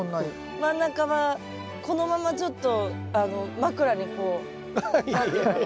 真ん中はこのままちょっと枕にこう何て言うんだろ。